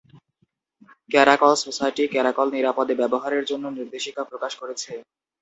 ক্যারাকল society caracal নিরাপদে ব্যবহারের জন্য নির্দেশিকা প্রকাশ করেছে।